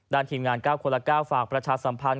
ทีมงาน๙คนละ๙ฝากประชาสัมพันธ